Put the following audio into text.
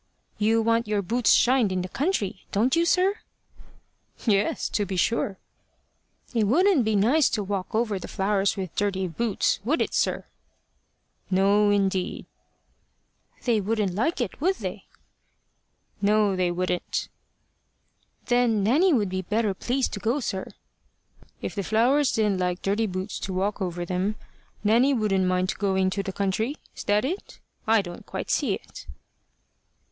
"You want your boots shined in the country don't you, sir?" "Yes, to be sure." "It wouldn't be nice to walk over the flowers with dirty boots would it, sir?" "No, indeed." "They wouldn't like it would they?" "No, they wouldn't." "Then Nanny would be better pleased to go, sir." "If the flowers didn't like dirty boots to walk over them, Nanny wouldn't mind going to the country? Is that it? I don't quite see it."